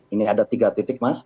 ini ada tiga titik mas